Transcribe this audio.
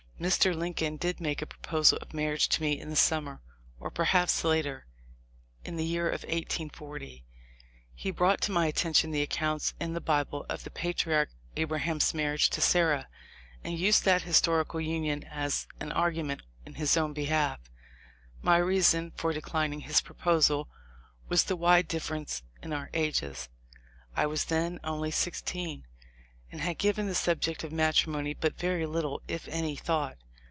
Mr. Lincoln did make a proposal of marriage to me in the summer, or perhaps later, in the year of 1840. He brought to my attention the ac counts in the Bible of the patriarch Abraham's marriage to Sarah, and used that historical union as an argument in his own behalf. My reason for declining his proposal was the wide difference in our ages. I was then only sixteen, and had given the subject of matrimony but very little, if any, thought.